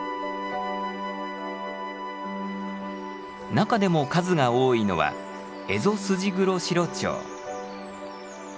中でも数が多いのはエゾスジグロシロチョウ。